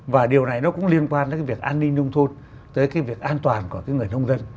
và điều này nó cũng liên quan đến cái việc an ninh nông thôn tới cái việc an toàn của cái người nông dân